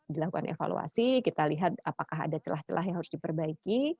dilakukan evaluasi kita lihat apakah ada celah celah yang harus diperbaiki